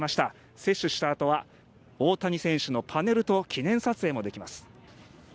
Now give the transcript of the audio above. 接種したあとは大谷選手のパネルと記念撮影もできます。